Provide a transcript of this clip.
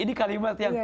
ini kalimat yang